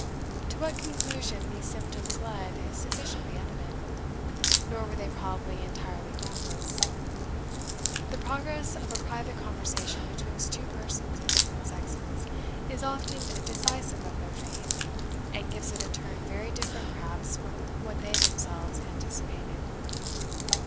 To what conclusion these symptoms led is sufficiently evident; nor were they probably entirely groundless. The progress of a private conversation betwixt two persons of different sexes is often decisive of their fate, and gives it a turn very different perhaps from what they themselves anticipated.